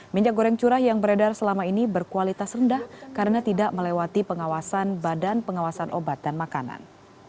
minyak goreng curah yang beredar selama ini berkualitas rendah karena tidak melewati pengawasan badan pengawasan obat dan makanan